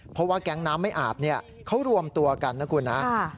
เพราะว่าแก๊งน้ำไม่อาบเขารวมตัวกันนะคุณนะ